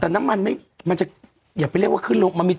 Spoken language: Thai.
แต่น้ำมันมันจะอย่าไปเรียกว่าขึ้นลง